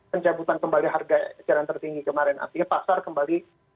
pencabutan kembali harga eceran tertinggi kemarin artinya pasar kembali